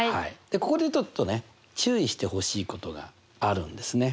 でここでちょっとね注意してほしいことがあるんですね。